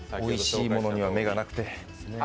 おいしいものには目がなくて。